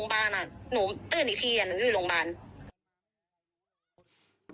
หนูตื่นอีกทีอย่างหนูอยู่โรงพยาบาล